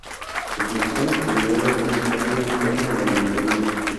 Su principal actividad económica gira en torno a la ganadería.